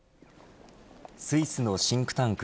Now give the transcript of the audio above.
スイスのシンクタンク